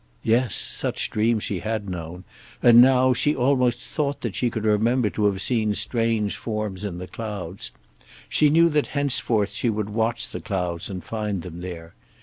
Yes; such dreams she had known, and now, she almost thought that she could remember to have seen strange forms in the clouds. She knew that henceforth she would watch the clouds and find them there.